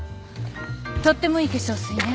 とってもいい化粧水ね。